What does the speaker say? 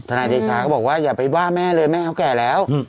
นายเดชาก็บอกว่าอย่าไปว่าแม่เลยแม่เขาแก่แล้ว